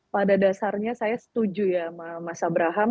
pada dasarnya saya setuju ya mas abraham